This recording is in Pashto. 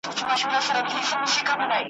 هم په غره هم په ځنګلونو کي غښتلی `